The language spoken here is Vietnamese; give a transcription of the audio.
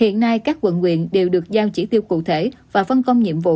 hiện nay các quận nguyện đều được giao chỉ tiêu cụ thể và phân công nhiệm vụ